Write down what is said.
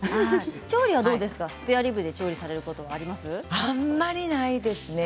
調理はどうですかスペアリブで調理されることはあまりないですね。